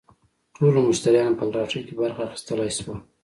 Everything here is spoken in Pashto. ټولو مشتریانو په لاټرۍ کې برخه اخیستلی شوه.